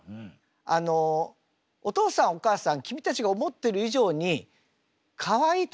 あのお父さんお母さん君たちが思ってる以上にかわいいと思ってますのできっと。